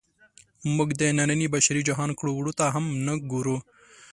موږ د ننني بشري جهان کړو وړو ته هم نه ګورو.